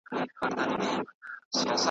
فلسطین په اور کي سوځي .